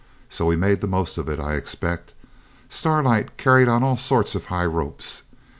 So we made the most of it, I expect. Starlight carried on all sorts of high ropes.